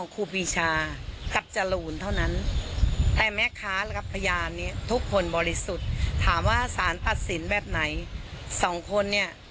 เขาต้องอุทธรณ์แน่นอน